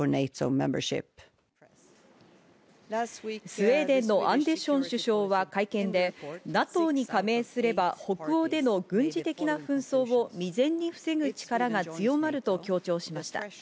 スウェーデンのアンデション首相は会見で、ＮＡＴＯに加盟すれば北欧での軍事的な紛争を未然に防ぐ力が強まると強調しました。